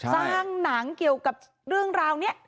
สร้างหนังเกี่ยวกับเรื่องราวนี้